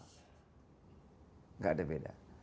tidak ada beda